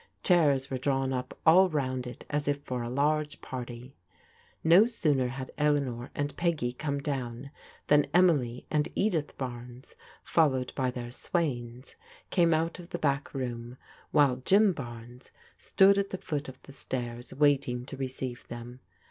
Chairs were drawn up all round it as if for a large party. No sooner had Eleanor and Peggy come down, than Emily and Edith Barnes, followed by their swains, came out of the back room, while Jim Barnes stood at the foot of the stairs waiting to receive them.